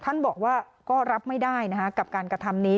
ท่านบอกว่าก็รับไม่ได้กับการกระทำนี้